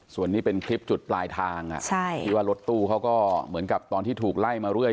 ส่วนนี้เป็นคลิปจุดปลายทางที่ว่ารถตู้เขาก็เหมือนกับตอนที่ถูกไล่มาเรื่อย